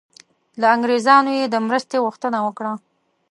له انګریزانو یې د مرستې غوښتنه وکړه.